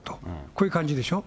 こういう感じでしょ。